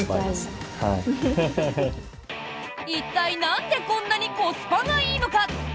一体なんでこんなにコスパがいいのか？